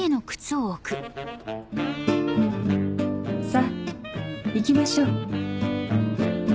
さぁ行きましょう。